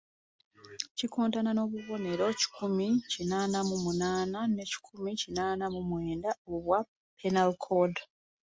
Kikontana n'obuwayiro kikumi kinaana mu munaana ne kikumi kinaana mu mwenda obwa Penal Code.